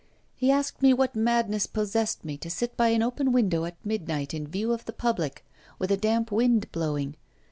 He asked me what madness possessed me, to sit by an open window at midnight, in view of the public, with a damp wind blowing.